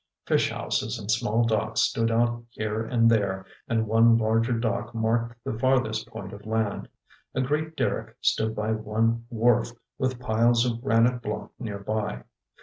Fish houses and small docks stood out here and there, and one larger dock marked the farthest point of land. A great derrick stood by one wharf, with piles of granite block near by.